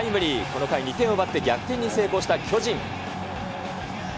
この回２点を奪って逆転に成功した巨人。